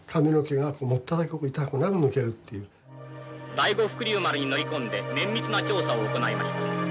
「第五福竜丸に乗り込んで綿密な調査を行いました」。